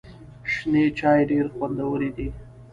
شنې چای ډېري خوندوري دي .